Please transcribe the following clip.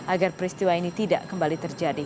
agar peristiwa ini tidak kembali terjadi